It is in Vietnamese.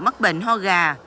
mắc bệnh ho gà